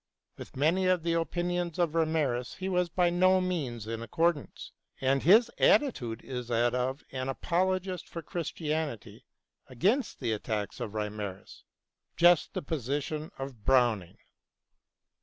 With many of the opinions of Reimarus he was by no means in accordance, and his attitude is that of an apologist for Christianity against the attacks of Reimarus — ^just the position of Browning.